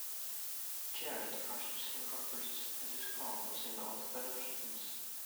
Jarrett rushed to save Roberts as his car was engulfed by the flames.